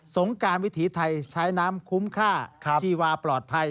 งการวิถีไทยใช้น้ำคุ้มค่าชีวาปลอดภัย